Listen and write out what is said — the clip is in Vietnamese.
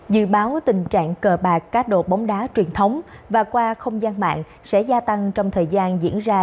dự báo tình trạng cờ bạc cá độ bóng đá truyền thống và qua không gian mạng sẽ gia tăng trong thời gian diễn ra